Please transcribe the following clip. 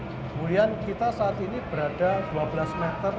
kemudian kita saat ini berada dua belas meter